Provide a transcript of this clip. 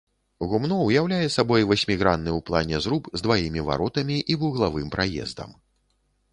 Гумно ўяўляе сабой васьмігранны ў плане зруб з дваімі варотамі і вуглавым праездам.